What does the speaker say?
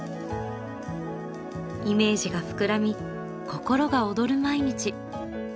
イメージが膨らみ心が躍る毎日。